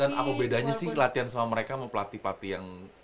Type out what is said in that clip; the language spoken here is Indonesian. dan apa bedanya sih latihan sama mereka sama pelatih pelatih yang